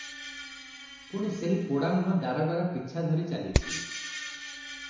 ପୁଣି ସେହି ପୋଡ଼ାମୁହାଁ ଦାରୋଗାର ପିଛା ଧରି ଚାଲିଛି ।